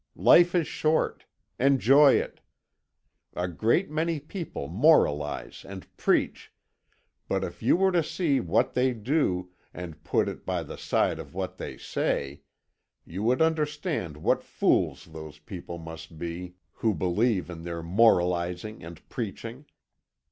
Life is short. Enjoy it. A great many people moralise and preach, but if you were to see what they do, and put it in by the side of what they say, you would understand what fools those people must be who believe in their moralising and preaching.